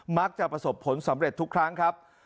มักจะประสบผลสำเร็จทุกครั้งครับ